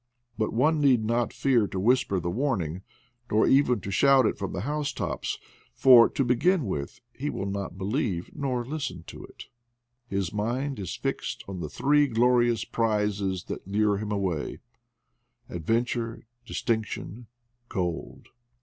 But one need not fear to whisper the warning, nor even to shout it from the house THE WAE WITH NATUBE 81 tops, for, to begin with, he will not believe nor listen to it. His mind is fixed on the three glori ous prizes that lure him away — Adventure, Dis tinction, Gold.